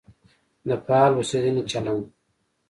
د فعال اوسېدنې چلند.